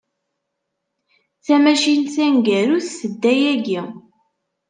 Tamacint taneggarut tedda yagi.